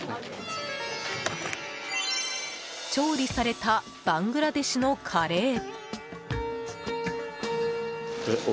調理されたバングラデシュのカレー。